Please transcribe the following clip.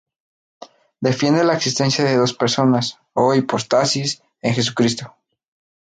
Defiende la existencia de dos personas o hipóstasis en Jesucristo.